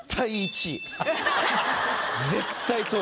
絶対取る。